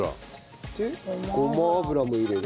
でごま油も入れる。